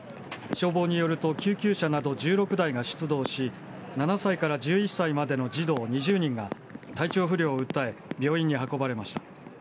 消防によると、救急車など１６台が出動し、７歳から１１歳までの児童２０人が体調不良を訴え、病院に運ばれました。